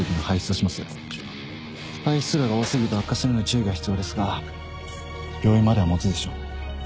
排出量が多過ぎると悪化するので注意が必要ですが病院までは持つでしょう。